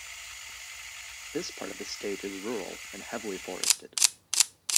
This part of the state is rural and heavily forested.